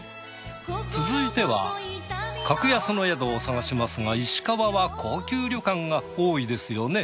続いては格安の宿を探しますが石川は高級旅館が多いですよね。